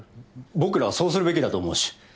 僕らはそうするべきだと思うし。